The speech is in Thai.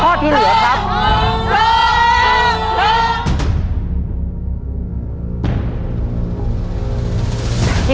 ถูกถูกถูกถูก